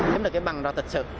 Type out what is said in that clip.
chúng là cái bằng đó thật sự